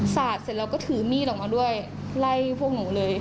สาดเสร็จแล้วก็ถือมีดออกมาด้วยไล่พวกหนูเลย